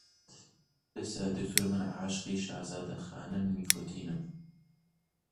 دەسا دکتۆر من عاشقی شازادە خانم نیکۆتینم